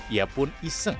ia pun iseng